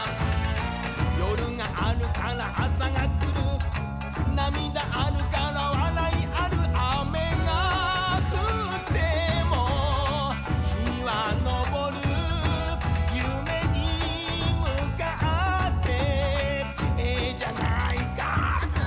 「夜があるから朝がくる」「涙あるから笑いある」「雨が降っても陽は昇る」「夢にむかってええじゃないか」